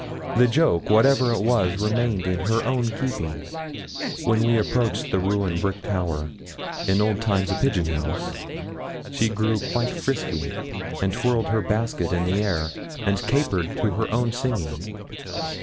The joke, whatever it was, remained in her own keeping. When we approached the ruined brick tower in old times a pigeon house she grew quite frisky, and twirled her basket in the air, and capered to her own singing.